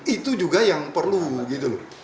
itu juga yang perlu gitu loh